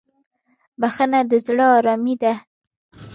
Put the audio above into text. بخښنه د زړه ارامي ده.